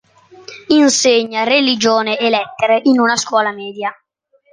Insegna religione e lettere in una scuola media.